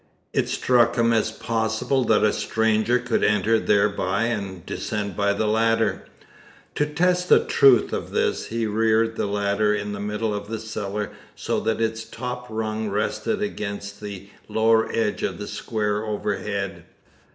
It struck him as possible that a stranger could enter thereby and descend by the ladder. To test the truth of this he reared the ladder in the middle of the cellar so that its top rung rested against the lower edge of the square overhead.